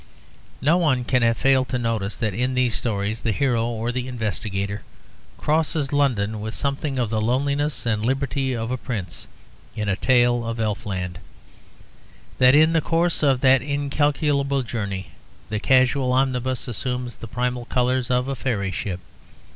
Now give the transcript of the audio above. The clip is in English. No one can have failed to notice that in these stories the hero or the investigator crosses London with something of the loneliness and liberty of a prince in a tale of elfland, that in the course of that incalculable journey the casual omnibus assumes the primal colours of a fairy ship.